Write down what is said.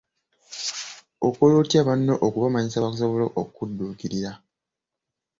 Okola otya banno okubamanyisa basobole okukudduukirira?